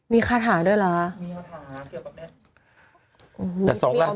มีคาถาด้วยเหรอ